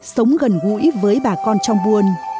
sống gần gũi với bà con trong buôn